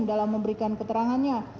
dalam memberikan keterangannya